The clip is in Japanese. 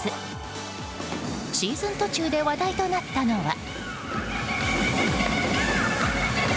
シーズン途中で話題となったのが。